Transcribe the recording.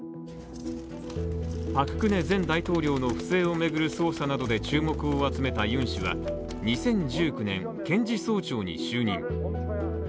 パク・クネ前大統領の不正を巡る捜査などで注目を集めたユン氏は２０１９年、検事総長に就任。